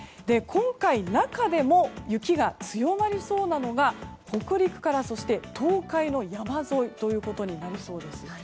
今回、中でも雪が強まりそうなのが北陸から東海の山沿いということになりそうです。